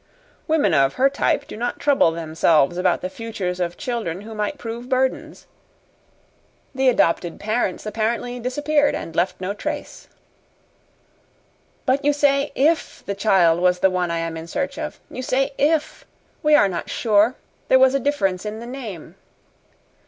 Women of her type do not trouble themselves about the futures of children who might prove burdens. The adopted parents apparently disappeared and left no trace." "But you say 'IF the child was the one I am in search of. You say 'if.' We are not sure. There was a difference in the name."